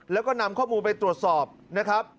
แล้วก็นำข้อมูลไปตรวจสอบนะครับ